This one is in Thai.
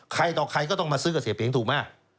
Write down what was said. ต่อใครก็ต้องมาซื้อกับเสียเปียงถูกไหม